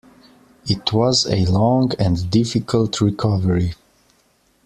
It was a long and difficult recovery.